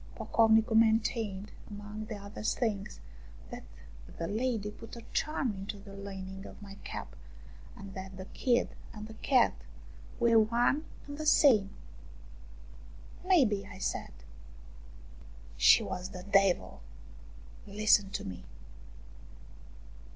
Pocovnicu maintained, among other things, that the lady put a charm into the lining of my cap, and that the kid and the cat were one and the same. May be," 1 said. " She was the devil, listen to me."